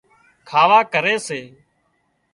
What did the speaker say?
کاوا ڪري سي